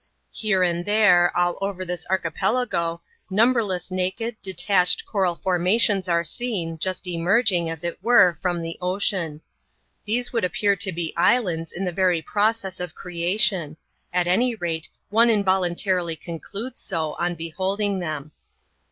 Here and there, all over this arehi^elagp, num CHAP, xvu.] THE CORAL ISLANDS. €8 berless naked, detached coral formations are seen, just emerging, as it were, £rom the ocean. These would appear to be islands in this yerj process of creation — at any rate, one involuntarilj concludes so, on beholding them.